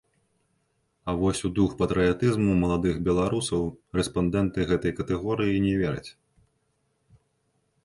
А вось у дух патрыятызму маладых беларусаў рэспандэнты гэтай катэгорыі не вераць.